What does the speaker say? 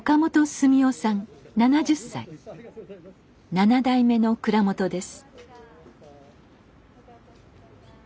７代目の蔵元です。